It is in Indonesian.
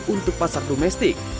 untuk pasar domestik